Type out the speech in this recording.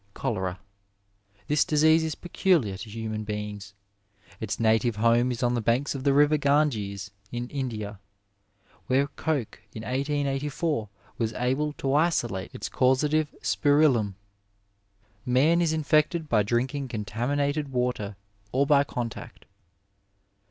Cholera. — ^This disease is peculiar to human beings. Its native home is on the banks of the river Ganges in India, where Koch in 1884 was able to isolate its causative spi rillum. Man is infected by drinking contaminated water or by contact.